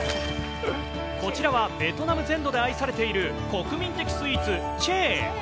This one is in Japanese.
こちらはベトナム全土で愛されている国民的スイーツ、チェー。